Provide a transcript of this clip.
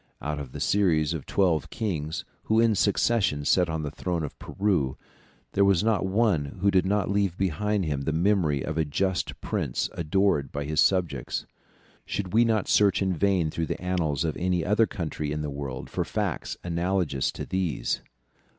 Out of a series of twelve kings, who in succession sat on the throne of Peru, there was not one who did not leave behind him the memory of a just prince adored by his subjects. Should we not search in vain through the annals of any other country in the world for facts analogous to these?